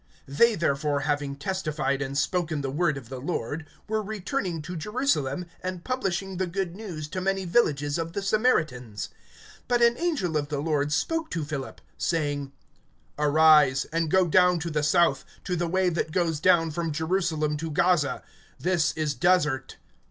(25)They, therefore, having testified and spoken the word of the Lord, were returning to Jerusalem, and publishing the good news to many villages of the Samaritans. (26)But an angel of the Lord spoke to Philip, saying: Arise, and go down to the south, to the way that goes down from Jerusalem to Gaza. This is desert.